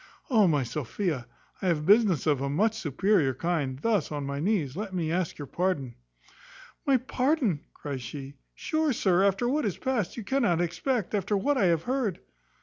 O, my Sophia! I have business of a much superior kind. Thus, on my knees, let me ask your pardon." "My pardon!" cries she; "Sure, sir, after what is past, you cannot expect, after what I have heard."